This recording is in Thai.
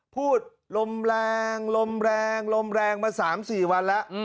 ลมแรงลมแรงลมแรงมา๓๔วันแล้ว